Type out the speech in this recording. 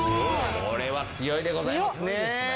これは強いでございますねぇ。